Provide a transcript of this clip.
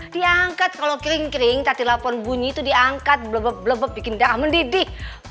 diangkat kalau kering kering tadi laporan bunyi itu diangkat blabab bikin dah mendidih